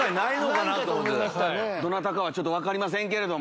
どなたかは分かりませんけれども。